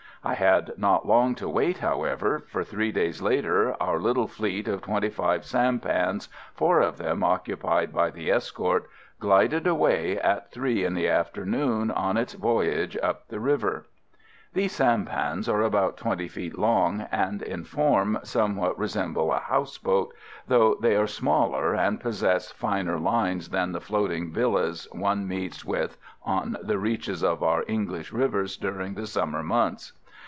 I had not long to wait, however, for three days later our little fleet of twenty five sampans, four of them occupied by the escort, glided away at three in the afternoon on its voyage up the river. [Illustration: A SAMPAN ON THE RIVER NEAR PHULANG THUONG.] These sampans are about 20 feet long, and in form somewhat resemble a house boat, though they are smaller and possess finer lines than the floating villas one meets with on the reaches of our English rivers during the summer months.